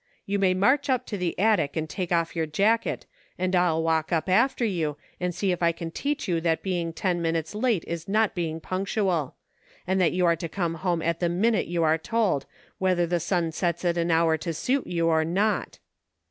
You may march up to the attic and take off your jacket, and I'll walk up after you, and see if I can teach you that being ten minutes late is not being punctual ; and that you are to come home at the minute you are told, whether the sun sets at an hour to suit you or not."